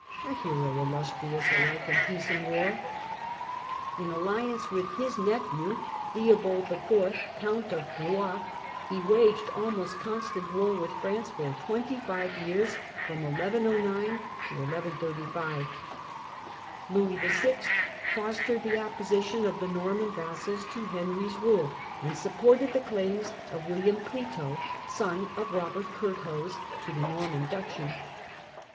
a hero illustrious alike in peace and war." In alliance with his nephew Theobald IV. Count of Blois, he waged almost constant war with France for twenty five years (1109 1135). Louis VI. fostered the opposition of the Norman vassals to Henry's rule, and supported the claims of V^illiam Clito, son of Eobert Curthose, to the Norman duchy.